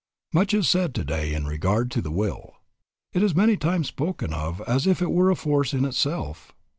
Much is said today in regard to the will. It is many times spoken of as if it were a force in itself.